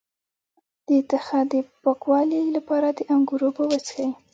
د تخه د پاکوالي لپاره د انګور اوبه وڅښئ